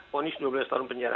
fonis dua belas tahun penjara